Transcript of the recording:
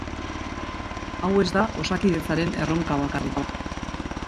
Hau ez da Osakidetzaren erronka bakarrik.